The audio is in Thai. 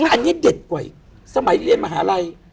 อันนี้เด็ดกว่าอีกสมัยเรียนมหาลัย